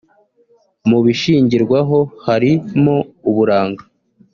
Mu bishingirwaho harimo Uburanga